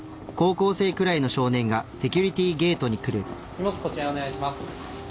荷物こちらにお願いします。